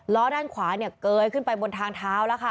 ล้อด้านขวาเนี่ยเกยขึ้นไปบนทางเท้าแล้วค่ะ